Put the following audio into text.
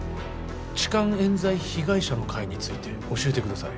痴漢冤罪被害者の会について教えてください